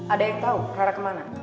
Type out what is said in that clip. ada yang tahu rara kemana